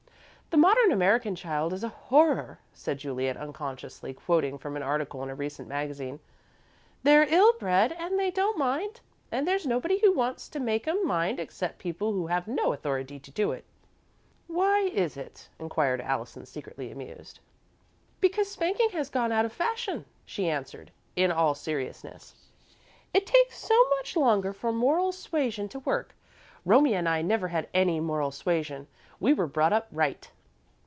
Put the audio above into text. "The modern American child is a horror," said Juliet, unconsciously quoting from an article in a recent magazine. "They're ill bred and they don't mind, and there's nobody who wants to make 'em mind except people who have no authority to do it." "Why is it?" inquired Allison, secretly amused. "Because spanking has gone out of fashion," she answered, in all seriousness. "It takes so much longer for moral suasion to work. Romie and I never had any 'moral suasion,' we were brought up right."